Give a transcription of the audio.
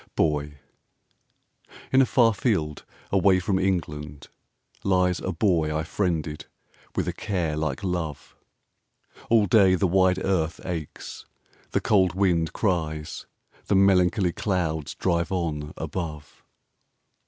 BOY In a far field, away from England, lies A Boy I friended with a care like love; All day the wide earth aches, the cold wind cries, The melancholy clouds drive on above.